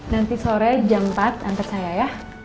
nanti sore jam empat antar saya ya